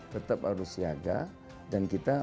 tetap harus siaga dan kita